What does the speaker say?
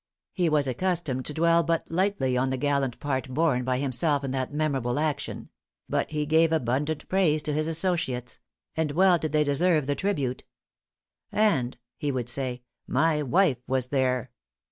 He was accustomed to dwell but lightly on the gallant part borne by himself in that memorable action; but he gave abundant praise to his associates; and well did they deserve the tribute. "And," he would say "_my wife was there!